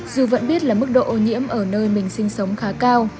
dù vẫn biết là mức độ ô nhiễm ở nơi mình sinh sống khá cao